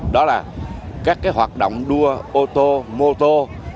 đó là các hoạt động đua ô tô mô tô